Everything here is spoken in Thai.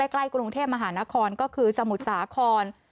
ใกล้กรุงเทพมหานครก็คือสมุทรสาคร